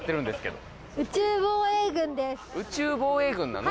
宇宙防衛軍なの？